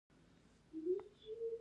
یوه شېبه په چرت کې لاړم.